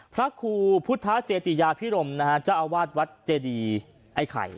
พระครูพุทธเจติยาพิรมนะฮะเจ้าอาวาสวัดเจดีไอ้ไข่